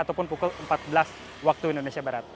ataupun pukul empat belas waktu indonesia barat